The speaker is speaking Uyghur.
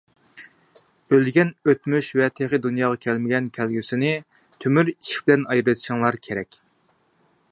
ئۆلگەن ئۆتمۈش ۋە تېخى دۇنياغا كەلمىگەن كەلگۈسىنى تۆمۈر ئىشىك بىلەن ئايرىۋېتىشىڭلار كېرەك.